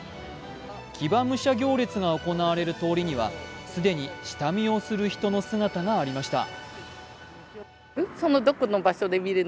騎馬武者行列が行われる通りには既に下見をする人の姿がありました。